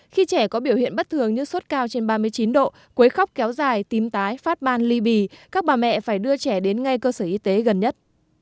khi trẻ có biểu hiện bất thường như sốt cao trên ba mươi chín độ quấy khóc kéo dài tím tái phát ban ly bì các bà mẹ phải đưa trẻ đến ngay cơ sở y tế gần nhất